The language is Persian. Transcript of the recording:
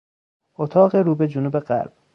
اتاق رو به جنوب غرب